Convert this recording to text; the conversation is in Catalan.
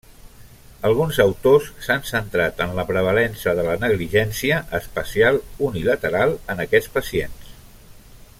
Alguns autors s'han centrat en la prevalença de la negligència espacial unilateral en aquests pacients.